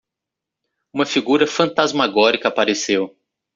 Uma figura fantasmagórica apareceu.